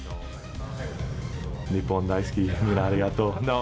日本大好き、みんなありがとう！